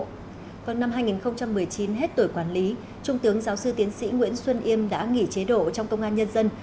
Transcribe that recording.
vào năm hai nghìn một mươi chín hết tuổi quản lý trung tướng giáo sư tiến sĩ nguyễn xuân yêm đã nghỉ chế độ trong công an nhân dân